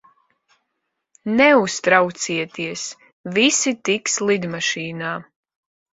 Neuztraucieties, visi tiks lidmašīnā.